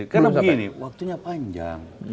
karena begini waktunya panjang